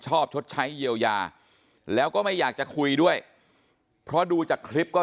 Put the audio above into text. ชดใช้เยียวยาแล้วก็ไม่อยากจะคุยด้วยเพราะดูจากคลิปก็